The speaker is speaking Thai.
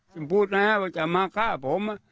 ผมพูดนะครับว่าจะมาฆ่าผมอะ